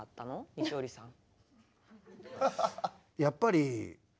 西堀さん。